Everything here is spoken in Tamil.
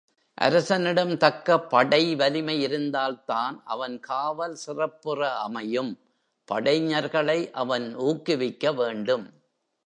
அரசனிடம் தக்க படைவலிமை இருந்தால்தான் அவன் காவல் சிறப்புற அமையும் படைஞர்களை அவன் ஊக்குவிக்க வேண்டும்.